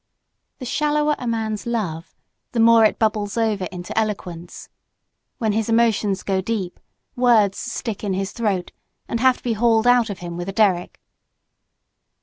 The shallower a man's love, the more it bubbles over into eloquence. When his emotions go deep, words stick in his throat, and have to be hauled out of him with a derrick.